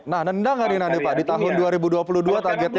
nah nendang nggak nih nanti pak di tahun dua ribu dua puluh dua targetnya